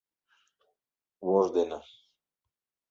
Вож дене.